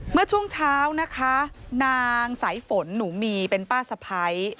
เมื่อช่วงเช้านะคะนางสายฝนหนูมีเป็นป้าสะพ้าย